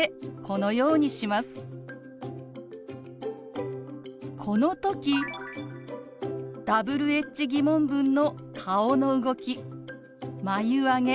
この時Ｗｈ−疑問文の顔の動き眉あげ